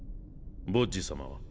ボッジ様は？